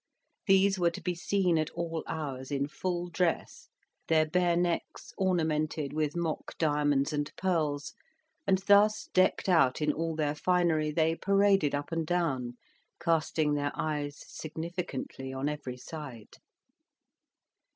These were to be seen at all hours in full dress, their bare necks ornamented with mock diamonds and pearls; and thus decked out in all their finery, they paraded up and down, casting their eyes significantly on every side.